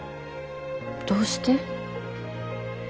どうして？